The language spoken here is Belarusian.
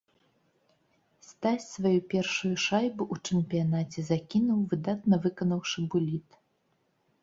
Стась сваю першую шайбу ў чэмпіянаце закінуў, выдатна выканаўшы буліт.